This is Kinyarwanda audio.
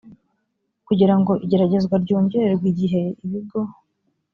kugira ngo igerageza ryongererwe igihe ibigo